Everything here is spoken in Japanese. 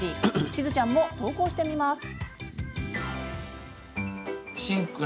しずちゃんも投稿してみます。